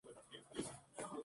Al paso por el km.